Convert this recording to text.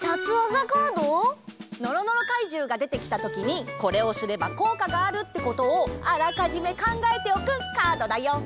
のろのろかいじゅうがでてきたときにこれをすればこうかがあるってことをあらかじめ考えておくカードだよ。